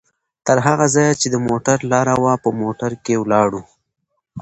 تر هغه ځایه چې د موټر لاره وه، په موټر کې ولاړو؛